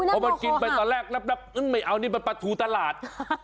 พอมันกินไปตอนแรกนับไม่เอานี่มันปลาทูตลาด